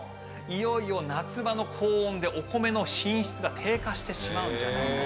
いよいよ夏場の高温でお米の品質が低下してしまうんじゃないか。